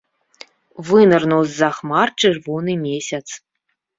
Вынырнуў з-за хмар чырвоны месяц.